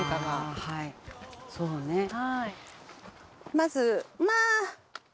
まずまあ！